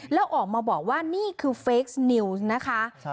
แล้วออกมาบอกว่านี่คือเฟคนิวส์นะคะ